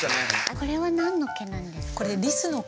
これは何の毛なんですか？